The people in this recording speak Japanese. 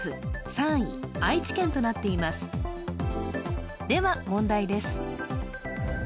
３位愛知県となっていますでは問題です